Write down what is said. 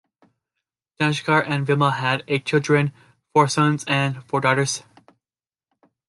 Dayashankar and Vimla had eight children, four sons and four daughters.